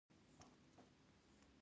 له تاسوټولونړۍ مننه کوم .